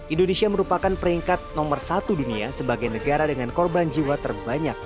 indonesia merupakan peringkat nomor satu dunia sebagai negara dengan korban jiwa terbanyak